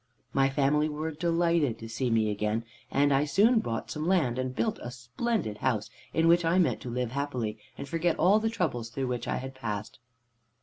"My family were delighted to see me again, and I soon bought some land and built a splendid house, in which I meant to live happily and forget all the troubles through which I had passed."